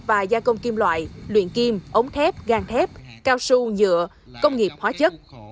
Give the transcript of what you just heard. và gia công kim loại luyện kim ống thép gan thép cao su nhựa công nghiệp hóa chất